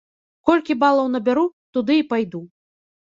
Колькі балаў набяру, туды і пайду.